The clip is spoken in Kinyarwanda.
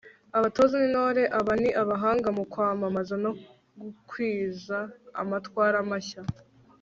abatoza n'intore aba ni abahanga mu kwamamaza no gukwiza amatwara mashya